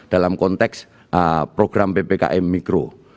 dalam konteks program ppkm mikro